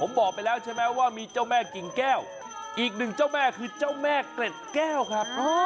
ผมบอกไปแล้วใช่ไหมว่ามีเจ้าแม่กิ่งแก้วอีกหนึ่งเจ้าแม่คือเจ้าแม่เกร็ดแก้วครับ